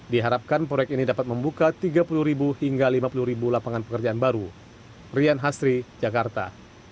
dan mengembangkan kedua duanya